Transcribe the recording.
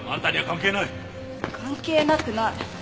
関係なくない。